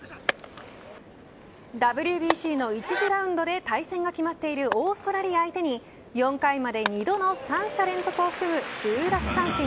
ＷＢＣの１次ラウンドで対戦が決まっているオーストラリア相手に４回まで２度の３者連続を含む１０奪三振。